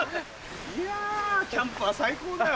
いやキャンプは最高だよ。